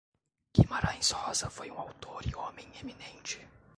Guimarães Rosa foi um autor e homem eminente.